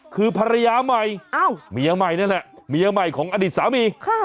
คือภรรยาใหม่เมียใหม่นั่นแหละเมียใหม่ของอดีตสามี